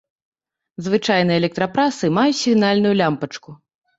Звычайна электрапрасы маюць сігнальную лямпачку.